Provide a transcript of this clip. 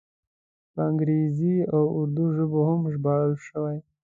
په انګریزي او اردو ژبو هم ژباړل شوی.